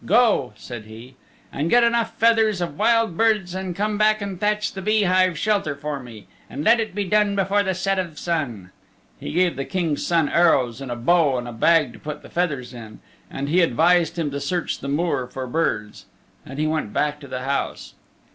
Go," said he, "and get enough feathers of wild birds and come back and thatch the bee hive shelter for me, and let it be done before the set of sun." He gave the King's Son arrows and a bow and a bag to put the feathers in, and advised him to search the moor for birds. Then he went back to the house.